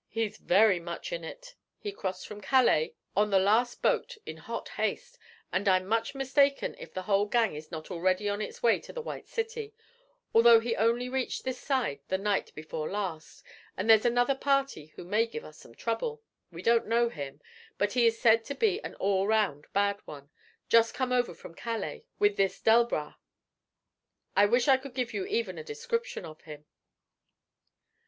'He is very much in it. He crossed from Calais on the last boat in hot haste, and I'm much mistaken if the whole gang is not already on its way to the White City, though he only reached this side the night before last; and there's another party who may give us some trouble. We don't know him, but he is said to be an all round bad one, just come over from Calais with this Delbras. I wish I could give you even a description of him.'